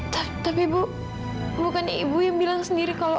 tapi bu bukannya ibu yang bilang sendiri kalau